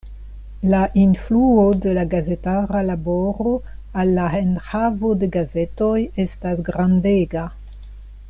La influo de la gazetara laboro al la enhavo de gazetoj estas grandega.